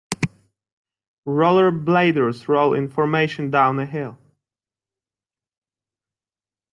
Rollerbladers roll in formation down a hill.